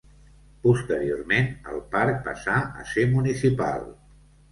Posteriorment el parc passà a ser municipal.